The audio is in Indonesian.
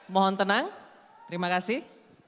mohon tenang terima kasih